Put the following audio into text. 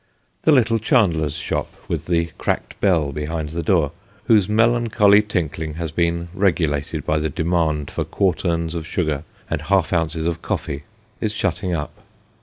The little chandler's shop with the cracked bell behind the door, whose melancholy tinkling has been regulated by the demand for quarterns of sugar and half ounces of coifee, is shutting up.